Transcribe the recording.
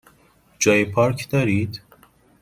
جای پارک دارید؟